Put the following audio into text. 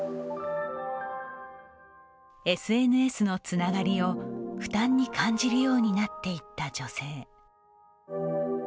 ＳＮＳのつながりを負担に感じるようになっていった女性。